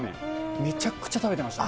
めちゃくちゃ食べてましたね。